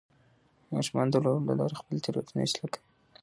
ماشومان د لوبو له لارې خپلې تیروتنې اصلاح کوي.